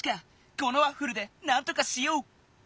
このワッフルでなんとかしよう！